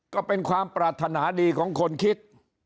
ก็เป็นความปรารถนาดีของคนคิด